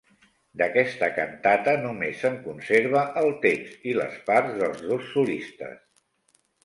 D'aquesta cantata només se'n conserva el text i les parts dels dos solistes.